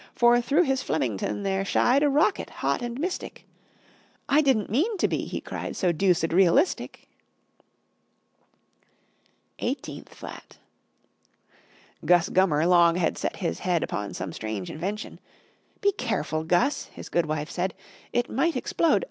For through his Flemington there shied A rocket, hot and mystic. "I didn't mean to be," he cried, "So deuced realistic!" [Illustration: SEVENTEENTH FLAT] EIGHTEENTH FLAT Gus Gummer long had set his head Upon some strange invention. "Be careful, Gus," his good wife said; "It might explode.